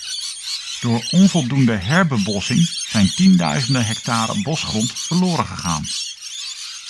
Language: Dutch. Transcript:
Door onvoldoende herbebossing zijn tienduizenden hectare bosgrond verloren gegaan.